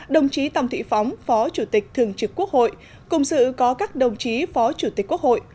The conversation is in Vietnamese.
đồng chí tòng thị phóng phó chủ tịch thường trực quốc hội cùng sự có các đồng chí phó chủ tịch quốc hội